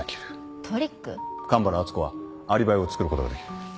神原敦子はアリバイをつくることができる。